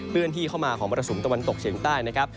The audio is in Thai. เลื่อนที่เข้ามาของมรสุมตะวันตกเฉียงใต้นะครับ